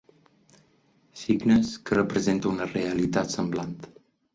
Signes que representa una realitat semblant.